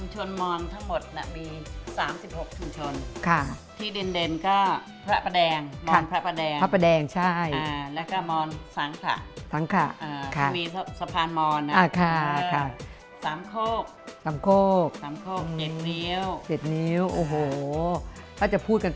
ชุมชนมอนทั้งหมดมี๓๖ชุมชน